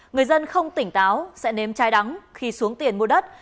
người dân không tỉnh táo sẽ nếm trai đắng khi xuống tiền mua đất